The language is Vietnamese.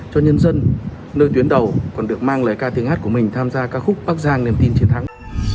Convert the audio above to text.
cho nhân dân nơi tuyến đầu còn được mang lời ca tiếng hát của mình tham gia ca khúc bắc giang niềm tin chiến thắng